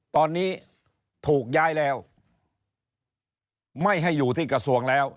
ตอนนี้ถูกย้ายแล้วไม่ให้อยู่ที่กระทรวงแล้ว